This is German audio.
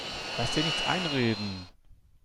Lass dir nichts einreden!